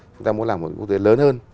chúng ta muốn làm một quốc tế lớn hơn